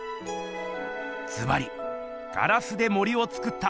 ずばり「ガラスで森をつくった」